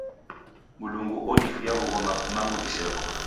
Mlungu odifuya w'ughoma kumangu diseko.